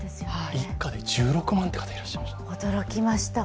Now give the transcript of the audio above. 一家で１６万って方いらっしゃいましたね。